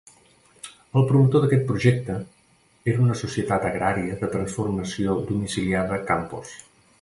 El promotor d'aquest projecte era una societat agrària de transformació domiciliada a Campos.